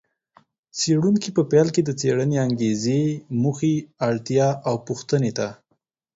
څېړونکي په پیل کې د څېړنې انګېزې، موخې، اړتیا او پوښتنې ته